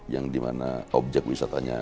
yang dimana objek wisatanya